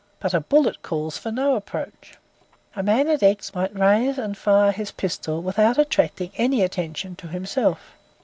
But a bullet calls for no approach. A man at X. might raise and fire his pistol without attracting any attention to himself.